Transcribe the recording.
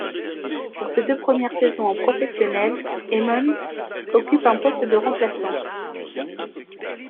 Pour ses deux premières saisons en professionnel, Emmons occupe un poste de remplaçant.